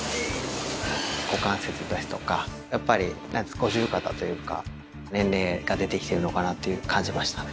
股関節ですとか、やっぱり五十肩というか、年齢が出てきてるのかなと感じましたね。